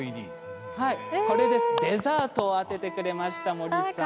デザートを当ててくれました森さん。